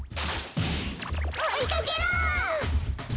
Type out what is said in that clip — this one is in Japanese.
おいかけろ！